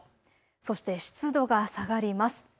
そして湿度が下がります。